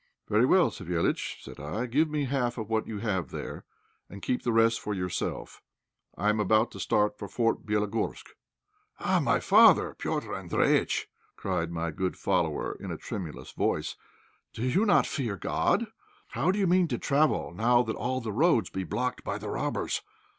"Very well, Savéliitch," said I. "Give me half what you have there, and keep the rest for yourself. I am about to start for Fort Bélogorsk." "Oh! my father, Petr' Andréjïtch," cried my good follower, in a tremulous voice; "do you not fear God? How do you mean to travel now that all the roads be blocked by the robbers?